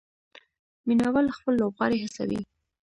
مینه وال خپل لوبغاړي هڅوي.